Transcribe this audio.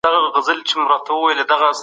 ایا د کتاب مطالعه کول د ذهني فشار مخه نیسي؟